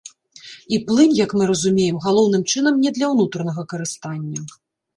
І плынь, як мы разумеем, галоўным чынам не для ўнутранага карыстання.